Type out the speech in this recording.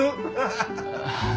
ハハハハ！